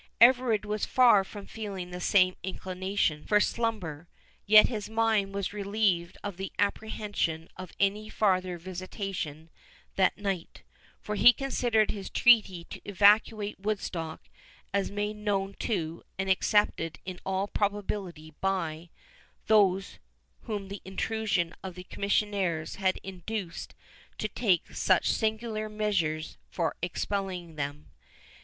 Everard was far from feeling the same inclination for slumber, yet his mind was relieved of the apprehension of any farther visitation that night; for he considered his treaty to evacuate Woodstock as made known to, and accepted in all probability by, those whom the intrusion of the Commissioners had induced to take such singular measures for expelling them.